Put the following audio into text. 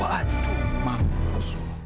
waduh mampus lo